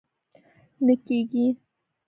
نه کېږي!